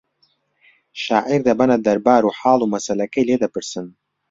شاعیر دەبەنە دەربار و حاڵ و مەسەلەکەی لێ دەپرسن